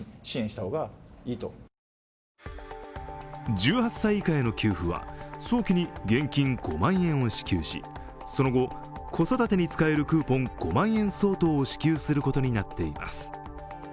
１８歳以下への給付は早期に現金５万円を支給しその後、子育てに使えるクーポン５万円相当を支給することになっています。